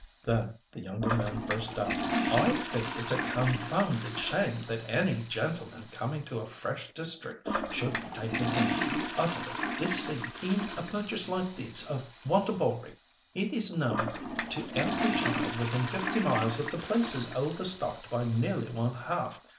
Then the younger man burst out—"I think it's a confounded shame that any gentleman coming to a fresh district should be taken in, utterly deceived in a purchase like this one of Wantabalree. It is known to every child within fifty miles that the place is over stocked by nearly one half.